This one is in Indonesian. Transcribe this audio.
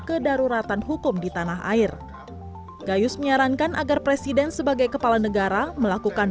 kedaruratan hukum di tanah air gayus menyarankan agar presiden sebagai kepala negara melakukan